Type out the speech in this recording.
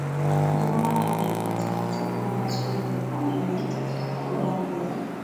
Juma ameniletea kitabu mbacho nilikuwa nimekitafuta kwa muda mrefu.